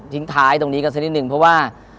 ท้ายตรงนี้กันสักนิดนึงเพราะว่า